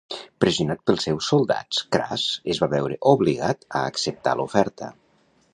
Pressionat pels seus soldats Cras es va veure obligat a acceptar l'oferta.